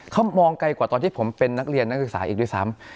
เขามองไกลกว่าตอนที่ผมเป็นนักเรียนนักศึกษาอีกด้วยซ้ำ